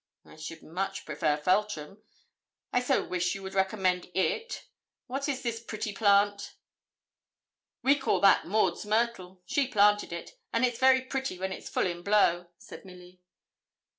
'I should much prefer Feltram. I so wish you would recommend it. What is this pretty plant?' 'We call that Maud's myrtle. She planted it, and it's very pretty when it's full in blow,' said Milly.